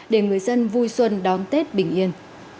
để người dân vui xuân đón tết bình yên